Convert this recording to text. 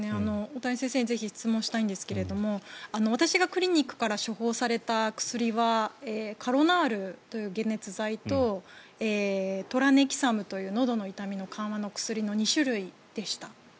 大谷先生にぜひ質問したいんですけれども私がクリニックから処方された薬はカロナールという解熱剤とトラネキサムというのどの痛みの緩和の薬の２種類でした。